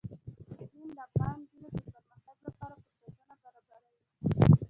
اقلیم د افغان نجونو د پرمختګ لپاره فرصتونه برابروي.